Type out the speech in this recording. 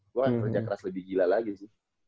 gue kerja keras lebih gila lagi sih